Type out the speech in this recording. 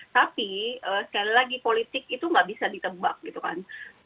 tapi sekali lagi politik itu nggak bisa ditebak gitu kan